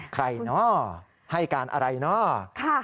ใครเนาะให้การอะไรเนาะ